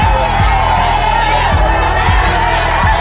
ของเรา